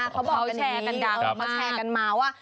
เขาแชร์กันมาว่า